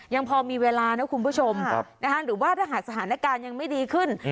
ยังพอมีเวลานะคุณผู้ชมหรือว่าถ้าหากสถานการณ์ยังไม่ดีขึ้น